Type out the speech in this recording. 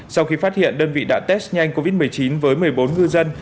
sau khi phát hiện đơn vị đã test nhanh covid một mươi chín với một mươi bốn ngư dân